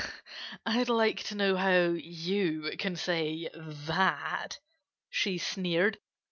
"I'd like to know how you can say that," she sneered.